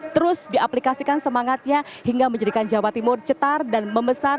terus diaplikasikan semangatnya hingga menjadikan jawa timur cetar dan memesan